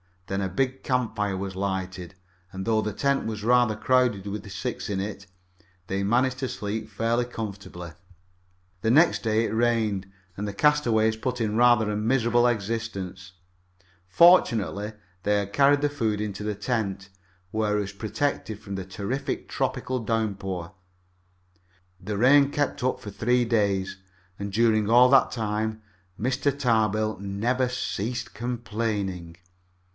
Then a big campfire was lighted, and, though the tent was rather crowded with six in it, they managed to sleep fairly comfortably. The next day it rained, and the castaways put in rather a miserable existence. Fortunately, they had carried the food into the tent, where it was protected from the terrific tropical downpour. The rain kept up for three days, and during all that time Mr. Tarbill never ceased complaining.